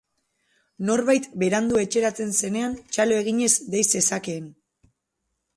Norbait berandu etxeratzen zenean, txalo eginez dei zezakeen.